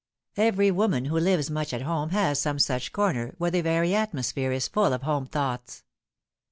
Every woman who lives much at home has some such corner, where the very atmosphere is full of home thoughts.